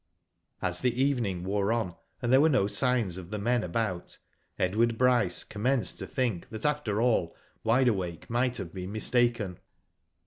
As the evening wore on, and there were no signs of the men about, Edward Bryce commenced to think that after all Wide Awake might have been mistaken.